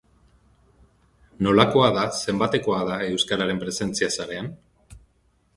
Nolakoa da, zenbatekoa da, euskararen presentzia sarean?